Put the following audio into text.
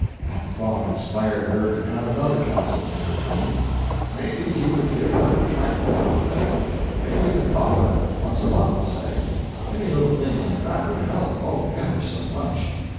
That thought inspired her to add another castle to her dream: maybe he would give her a trifle now and then maybe a dollar, once a month, say; any little thing like that would help, oh, ever so much.